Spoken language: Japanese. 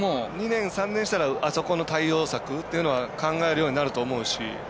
２年、３年したらあそこの対応策というのは考えるようになると思うし。